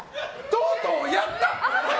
とうとうやった！